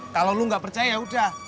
kalau lu gak percaya yaudah